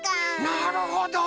なるほど！